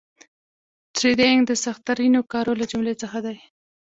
ټریډینګ د سخترینو کارو له جملې څخه دي